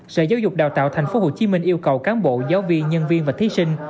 sở giáo dục đào tạo tp hcm yêu cầu cán bộ giáo viên nhân viên và thí sinh